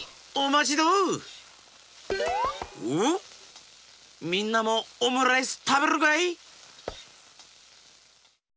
おみんなもオムライスたべるかい？